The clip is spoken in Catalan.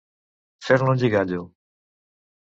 Fer-ne un lligallo.